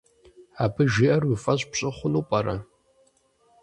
Абы жиӏэр уи фӏэщ пщӏы хъуну пӏэрэ?